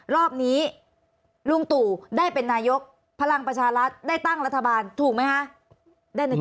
รอบนี้ลุงตู่ได้เป็นนายกพลังประชารัฐได้ตั้งรัฐบาลถูกไหมคะ